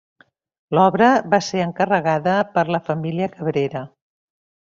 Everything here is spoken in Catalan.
L'obra va ser encarregada per la família Cabrera.